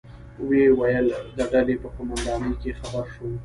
ویې ویل: د ډلې په قومندانۍ کې خبر شوم.